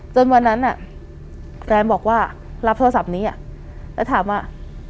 วันนั้นแฟนบอกว่ารับโทรศัพท์นี้แล้วถามว่า